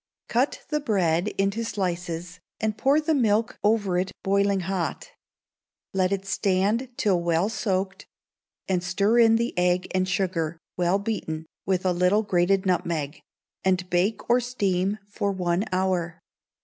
Cut the bread into slices, and pour the milk over it boiling hot; let it stand till well soaked, and stir in the egg and sugar, well beaten, with a little grated nutmeg; and bake or steam for one hour.